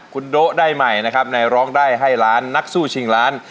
คุณโด๊ะได้ใหม่นะครับในร้องได้ให้ล้านนักสู้ชิงล้าน